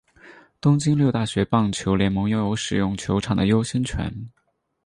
东京六大学棒球联盟拥有使用球场的优先权。